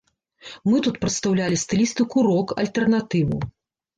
Мы тут прадстаўлялі стылістыку рок, альтэрнатыву.